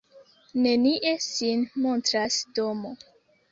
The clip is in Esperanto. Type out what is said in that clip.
Nenie sin montras domo.